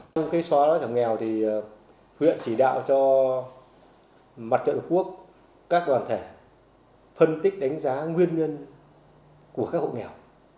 trong cái xóa đó trong nghèo thì huyện chỉ đạo cho mặt trận quốc các đoàn thể phân tích đánh giá nguyên nhân của các hộ nghèo